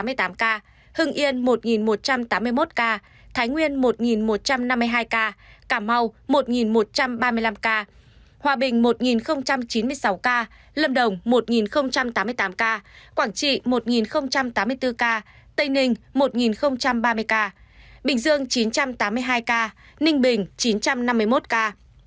hải dương một hai trăm một mươi năm ca hà nam một một trăm tám mươi tám ca hưng yên một một trăm tám mươi một ca thái nguyên một một trăm năm mươi hai ca cảm mau một một trăm ba mươi năm ca hòa bình một chín mươi sáu ca lâm đồng một tám mươi tám ca quảng trị một tám mươi bốn ca tây ninh một ba mươi ca bình dương chín trăm tám mươi hai ca ninh bình chín trăm năm mươi một ca